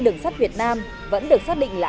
đường sắt việt nam vẫn được xác định là